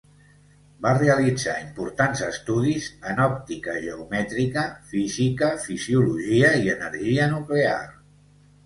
Va realitzar importants estudis en òptica geomètrica, física, fisiologia i energia nuclear.